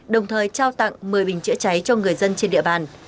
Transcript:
đồng thời trao tặng một mươi bình chữa cháy cho người dân trên địa bàn